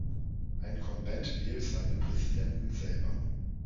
Ein Konvent wählt seinen Präsidenten selber.